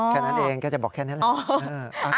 แค่นั้นเองก็จะบอกแค่นี้แหละ